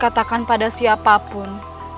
katakan pada siapapun